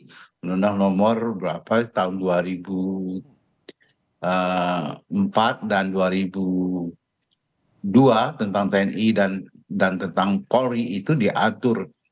undang undang nomor berapa tahun dua ribu empat dan dua ribu dua tentang tni dan tentang polri itu diatur